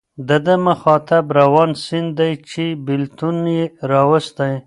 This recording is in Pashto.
د ده مخاطب روان سیند دی چې بېلتون یې راوستی.